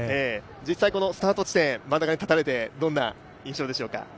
実際、スタート地点の真ん中に立たれてどんな印象でしょうか？